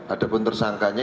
ada pun tersangkanya